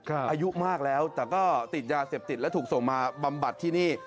อายุมากแล้วแต่ก็ติดยาเสพติดและถูกส่งมาบำบัดที่นี่